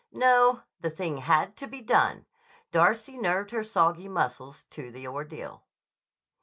No; the thing had to be done! Darcy nerved her soggy muscles to the ordeal.